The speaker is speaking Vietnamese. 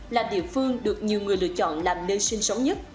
là địa phương được nhiều người lựa chọn làm nơi sinh sống nhất